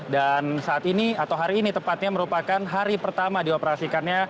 dan saat ini atau hari ini tepatnya merupakan hari pertama dioperasikannya